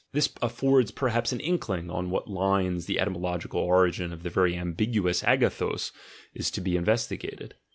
This affords per haps an inkling on what lines the etymological origin of the very ambiguous dyaddg is to be investigated.